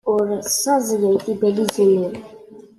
Ur tessaẓyem tibalizin-nwen.